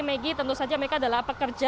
maggie tentu saja mereka adalah pekerja